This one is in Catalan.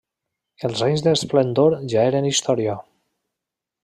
Els anys d'esplendor ja eren història.